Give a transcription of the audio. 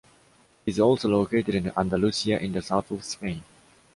He is also located in Andalusia, in the south of Spain.